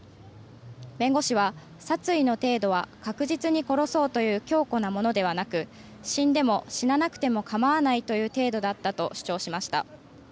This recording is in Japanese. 弁護士は殺意の程度は確実に殺そうという強固なものではなく死んでも死ななくてもかまわないという程度だったと主張しました。